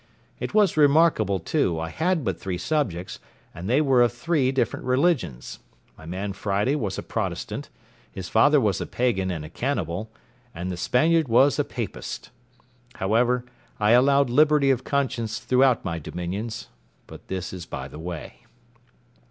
It was remarkable, too, I had but three subjects, and they were of three different religions—my man Friday was a Protestant, his father was a Pagan and a cannibal, and the Spaniard was a Papist. However, I allowed liberty of conscience throughout my dominions. But this is by the way.